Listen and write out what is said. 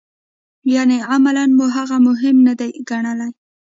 یعنې عملاً مو هغه مهم نه دی ګڼلی.